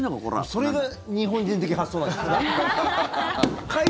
それが日本人的発想なんじゃない？